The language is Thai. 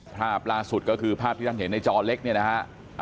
ภาพล่าสุดก็คือภาพที่ท่านเห็นในจอเล็กเนี่ยนะฮะ